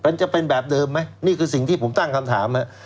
มันจะเป็นแบบเดิมไหมนี่คือสิ่งที่ผมตั้งคำถาม